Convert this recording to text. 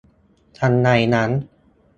ทันใดนั้น !